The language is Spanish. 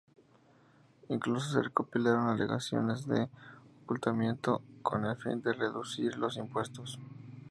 Incluso se recopilaron alegaciones de ocultamiento con el fin de reducir los impuestos.